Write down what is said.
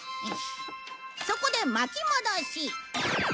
そこで巻き戻し。